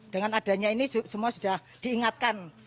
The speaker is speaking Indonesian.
dengan adanya ini semua sudah diingatkan